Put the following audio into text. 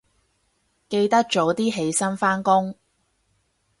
記得早啲起身返工